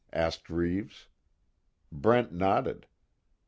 asked Reeves. Brent nodded.